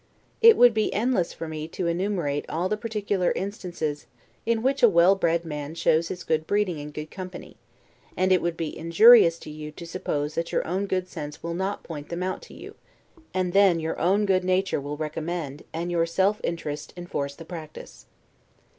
It would be endless for me to enumerate all the particular instances in which a well bred man shows his good breeding in good company; and it would be injurious to you to suppose that your own good sense will not point them out to you; and then your own good nature will recommend, and your self interest enforce the practice.